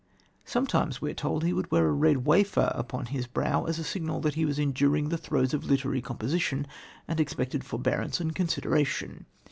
Sometimes, we are told, he would wear a red wafer upon his brow, as a signal that he was enduring the throes of literary composition and expected forbearance and consideration.